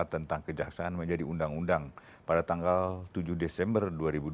tentang kejaksaan menjadi undang undang pada tanggal tujuh desember dua ribu dua puluh